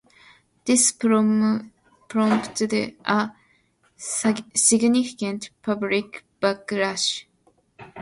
This prompted a significant public backlash.